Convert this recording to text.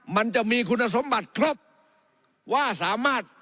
มันจะมีคุณสมบัติครบว่าสามารถ